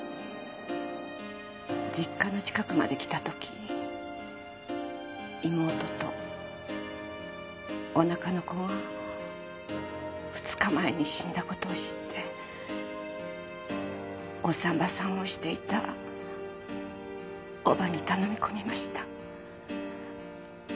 実家の近くまで来た時妹とおなかの子は２日前に死んだ事を知ってお産婆さんをしていた伯母に頼み込みました。